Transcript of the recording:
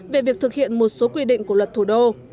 về việc thực hiện một số quy định của luật thủ đô